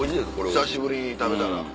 久しぶりに食べたら。